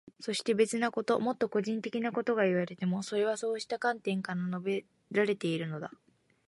そして、別なこと、もっと個人的なことがいわれていても、それはそうした観点から述べられているのだ。